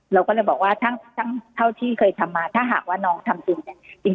เราก็เลยบอกว่าทั้งที่เคยทำมาถ้าหากว่านองทำจริง